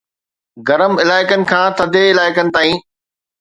گرم علائقن کان ٿڌي علائقن تائين